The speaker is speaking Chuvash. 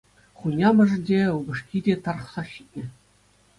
Хунямӑшӗ, те упӑшки те тарӑхсах ҫитнӗ.